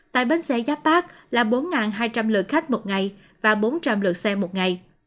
tại bến xe giáp bát là bốn hai trăm linh lượt khách một ngày và bốn trăm linh lượt xe một ngày